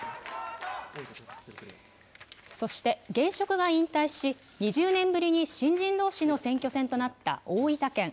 そして、現職が引退し、２０年ぶりに新人どうしの選挙戦となった大分県。